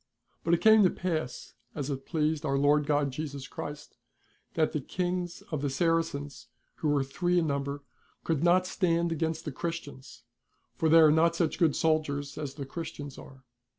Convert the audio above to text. But it came to pass, as it pleased our Lord God Jesus Christ, that the Kings of the Saracens, who were three in number, could not stand against the Christians, for they are not such good soldiers as the Christians are.